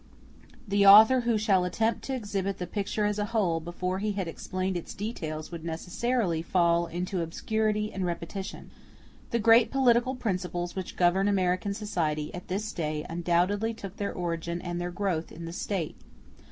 The author who should attempt to exhibit the picture as a whole before he had explained its details would necessarily fall into obscurity and repetition. The great political principles which govern American society at this day undoubtedly took their origin and their growth in the State.